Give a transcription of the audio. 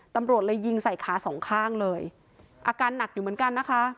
ตำรวจเลยยิงใส่ขาสองข้างเลยอาการหนักอยู่เหมือนกันนะคะ